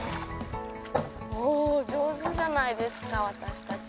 おお上手じゃないですか私たち。